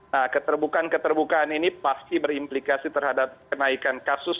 nah keterbukaan keterbukaan ini pasti berimplikasi terhadap kenaikan kasus